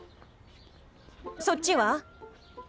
そっちは？